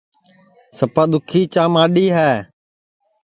سپا دُؔکھی چاں ماڈؔی ہے